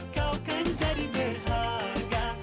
kau kan jadi berharga